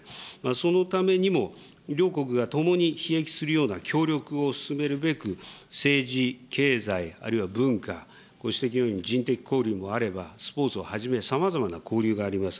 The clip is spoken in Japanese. そのためにも、両国がともにひ益するような協力を進めるべく、政治、経済、あるいは文化、ご指摘のように人的交流もあれば、スポーツをはじめ、さまざまな交流があります。